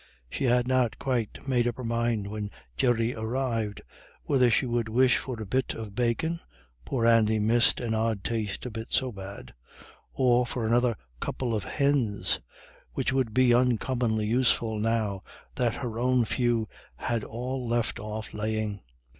She had not quite made up her mind, when Jerry arrived, whether she would wish for a bit of bacon poor Andy missed an odd taste of it so bad or for another couple of hens, which would be uncommonly useful now that her own few had all left off laying.